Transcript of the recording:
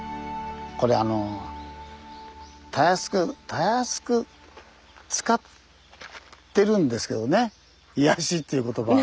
これあのたやすくたやすく使ってるんですけどね「癒やし」っていう言葉。